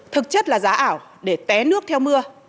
thực chất là giá ảo để té nước theo mưa